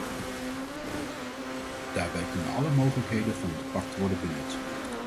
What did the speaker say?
Daarbij kunnen alle mogelijkheden van het pact worden benut.